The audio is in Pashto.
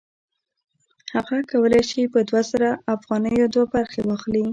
هغه کولی شي په دوه زره افغانیو دوه برخې واخلي